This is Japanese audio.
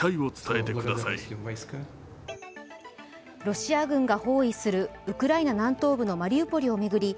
ロシア軍が包囲するウクライナ南東部のマリウポリを巡り